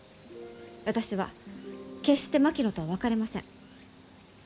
私は決して槙野とは別れません。